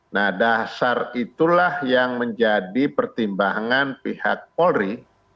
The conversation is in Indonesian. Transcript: nah dasar itulah yang menjadi pertimbangan pihak polri